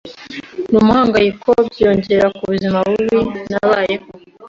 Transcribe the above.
n’umuhangayiko byiyongera ku buzima bubi nabayeho,